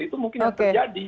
itu mungkin yang terjadi